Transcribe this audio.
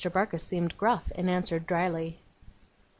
Barkis seemed gruff, and answered drily.